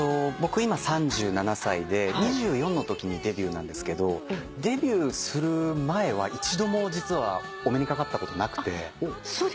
僕今３７歳で２４のときにデビューなんですけどデビューする前は一度も実はお目にかかったことなくて。